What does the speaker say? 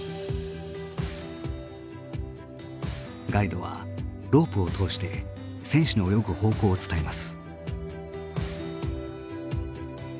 ガイドはロープを通して選手の泳ぐ方向を伝えます。